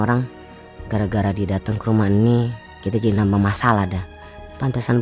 apa yang ingin kamu lakukan